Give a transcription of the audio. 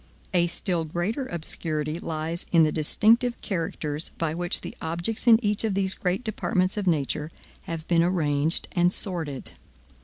A still greater obscurity lies in the distinctive characters by which the objects in each of these great departments of nature have been arranged and assorted.